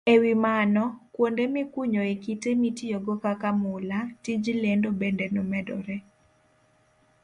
E wi mano, kuonde mikunyoe kite mitiyogo kaka mula, tij lendo bende medore.